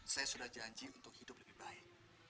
saya sudah janji untuk hidup lebih baik